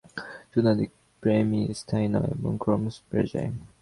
শুধু আত্মিক প্রেমই স্থায়ী হয়, এবং ক্রমশ বেড়ে যায়।